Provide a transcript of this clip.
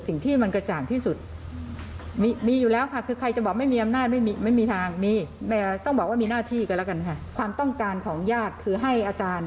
สิ่งที่จะตอบได้ว่าความจริงคืออะไรคือภาพค่ะ